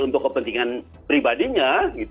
untuk kepentingan pribadinya